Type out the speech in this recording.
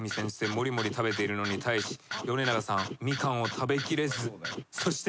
もりもり食べているのに対し米長さんミカンを食べきれずそして。